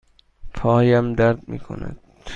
پایم درد می کند.